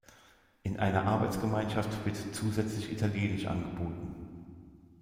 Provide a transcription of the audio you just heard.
In einer Arbeitsgemeinschaft wird zusätzlich Italienisch angeboten.